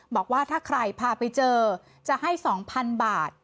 บอกว่าถ้าใครพาไปเจอจะให้๒๐๐๐บาท